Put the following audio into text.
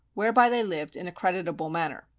whereby they lived in a creditable manner.